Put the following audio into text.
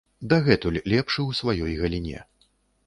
Дагэтуль лепшы ў сваёй галіне.